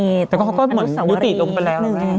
อันตุษฎาวรีรึอยังไงครับก็เหมือนวันยุติลงไปแล้ว